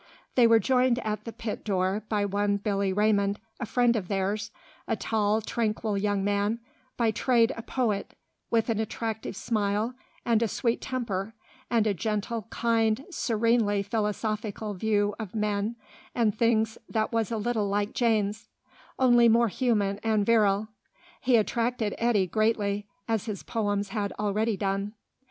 They were joined at the pit door by one Billy Raymond, a friend of theirs a tall, tranquil young man, by trade a poet, with an attractive smile and a sweet temper, and a gentle, kind, serenely philosophical view of men and things that was a little like Jane's, only more human and virile. He attracted Eddy greatly, as his poems had already done.